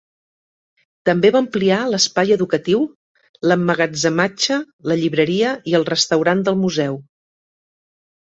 També va ampliar l'espai educatiu, l'emmagatzematge, la llibreria i el restaurant del museu.